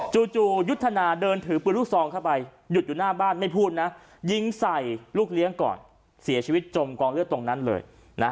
จู่ยุทธนาเดินถือปืนลูกซองเข้าไปหยุดอยู่หน้าบ้านไม่พูดนะยิงใส่ลูกเลี้ยงก่อนเสียชีวิตจมกองเลือดตรงนั้นเลย